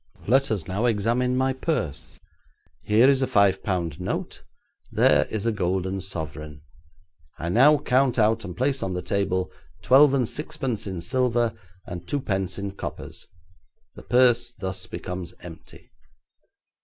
Let us now examine my purse. Here is a five pound note; there is a golden sovereign. I now count out and place on the table twelve and sixpence in silver and two pence in coppers. The purse thus becomes empty.